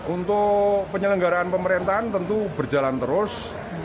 untuk penyelenggaraan pemerintahan tentu berjalan terus